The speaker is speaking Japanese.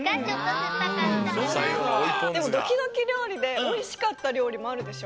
でもドキドキりょうりでおいしかったりょうりもあるでしょ？